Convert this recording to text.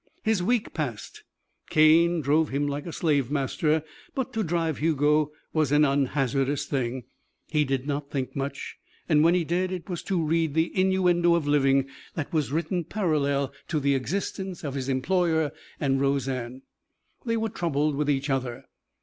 His week passed. Cane drove him like a slave master, but to drive Hugo was an unhazardous thing. He did not think much, and when he did, it was to read the innuendo of living that was written parallel to the existence of his employer and Roseanne. They were troubled with each other.